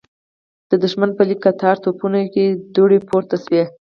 د دښمن په ليکه کتار توپونو کې دوړې پورته شوې.